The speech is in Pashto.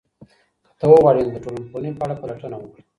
که ته وغواړې، نو د ټولنپوهنې په اړه پلټنه وکړه.